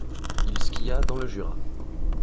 Il skia dans le Jura.